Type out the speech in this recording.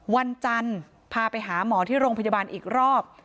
วันจันทร์พาไปหาหมอที่โรงพยาบาลอีกรอบ